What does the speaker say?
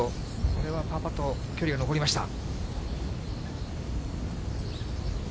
これはパーパット、距離が残りました。